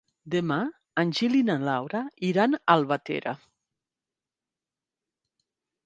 Demà en Gil i na Laura iran a Albatera.